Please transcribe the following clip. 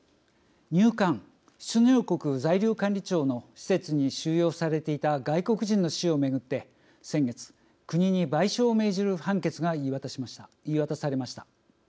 入管・出入国在留管理庁の施設に収容されていた外国人の死を巡って先月国に賠償を命じる判決が言い渡されました。